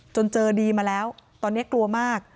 เจอดีมาแล้วตอนนี้กลัวมาก